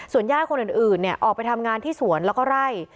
ส่วนยากคนอื่นเนี่ยออกไปทำงานที่สวนแล้วก็ไล่